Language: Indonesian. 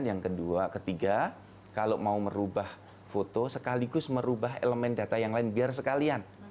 yang kedua ketiga kalau mau merubah foto sekaligus merubah elemen data yang lain biar sekalian